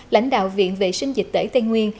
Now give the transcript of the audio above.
lãnh đạo viện vệ sinh dịch tễ tây nguyên